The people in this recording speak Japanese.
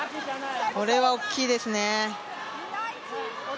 これは大きいですね。